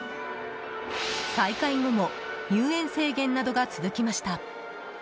再開後も入園制限などが続きました。